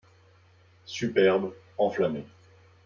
Superbe, enflammé